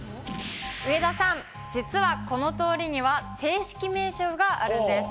上田さん、実はこの通りには、正式名称があるんです。